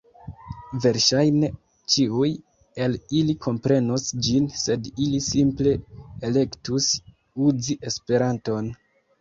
Verŝajne, ĉiuj el ili komprenos ĝin, sed ili simple elektus uzi Esperanton.